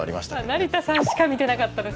成田さんしか見てなかったです。